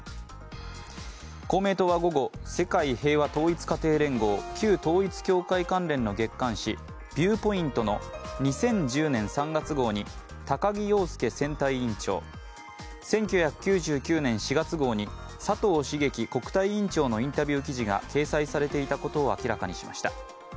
公明党は午後、世界平和統一家庭連合、旧統一教会関連の月刊誌、「Ｖｉｅｗｐｏｉｎｔ」の２０１０年３月号に高木陽介選対委員長、１９９９年４月号に佐藤茂樹国対委員長のインタビュー記事が掲載されていたことを明らかにしました。